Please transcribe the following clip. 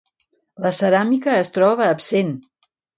La ceràmica es troba absent.